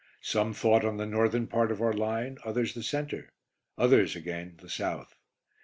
Some thought on the northern part of our line, others the centre; others, again, the south.